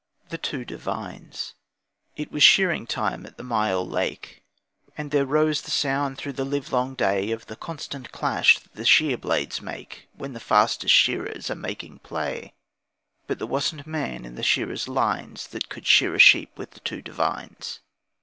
The Two Devines It was shearing time at the Myall Lake, And there rose the sound thro' the livelong day Of the constant clash that the shear blades make When the fastest shearers are making play, But there wasn't a man in the shearers' lines That could shear a sheep with the two Devines.